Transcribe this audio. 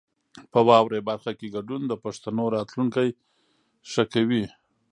په واورئ برخه کې ګډون د پښتو راتلونکی ښه کوي.